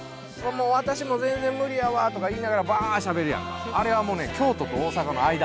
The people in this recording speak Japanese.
私も全然無理やわとか言いながらバッしゃべるやんかあれはもうね京都と大阪の間。